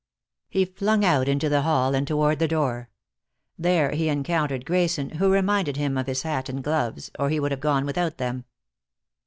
He flung out into the hall, and toward the door. There he encountered Grayson, who reminded him of his hat and gloves, or he would have gone without them.